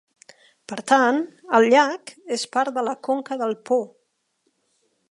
Per tant, el llac és part de la conca del Po.